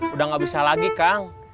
udah gak bisa lagi kang